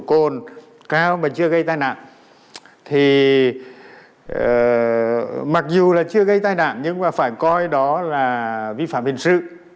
độ cồn cao mà chưa gây tai nạn thì mặc dù là chưa gây tai nạn nhưng mà phải coi đó là vi phạm hình sự